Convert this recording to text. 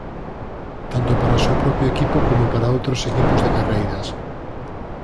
Tanto para o seu propio equipo como para outros equipos de carreiras.